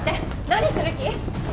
何する気！？